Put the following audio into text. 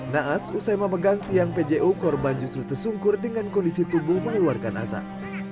naas usai memegang tiang pju korban justru tersungkur dengan kondisi tubuh mengeluarkan asap